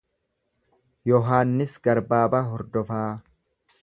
Yohaannis Garbaabaa Hordofaa